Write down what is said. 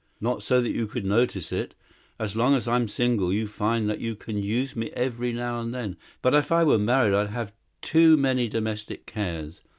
Not so that you could notice it! As long as I'm single you find that you can use me every now and then, but if I were married I'd have too many domestic cares.